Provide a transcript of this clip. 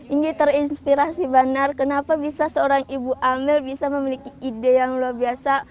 ini terinspirasi banar kenapa bisa seorang ibu amel bisa memiliki ide yang luar biasa